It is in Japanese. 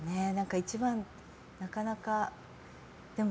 一番はなかなか。